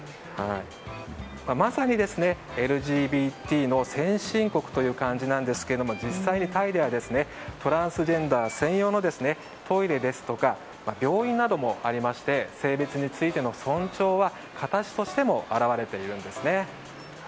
まさにＬＧＢＴの先進国という感じなんですが実際にタイではトランスジェンダー専用のトイレですとか病院などもありまして性別についての尊重は形としても現れているんです。